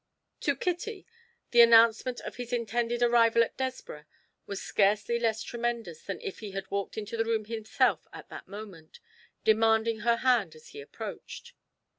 To Kitty, the announcement of his intended arrival at Desborough was scarcely less tremendous than if he had walked into the room himself at that moment, demanding her hand as he approached.